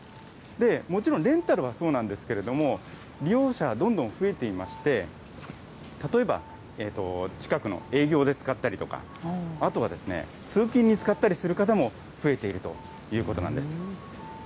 もちろん、レンタルはそうなんですけれども、利用者はどんどん増えていまして、例えば、近くの営業で使ったりですとか、あとはですね、通勤に使ったりする方も増えているということなんです。